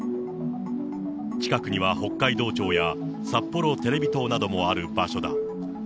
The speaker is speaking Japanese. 近くには北海道庁や札幌テレビ塔などもある場所だ。